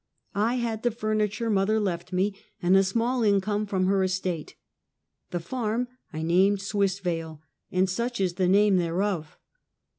I had the furni ture mother left me, and a small income from her estate. The farm I named " Swissvale," and such is the name thereof.